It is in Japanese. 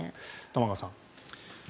玉川さん。